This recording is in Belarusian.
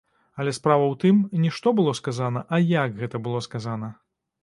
Але справа ў тым, не што было сказана, а як гэта было сказана.